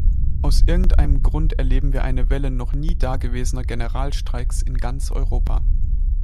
Aus irgendeinem Grund erleben wir eine Welle noch nie dagewesener Generalstreiks in ganz Europa.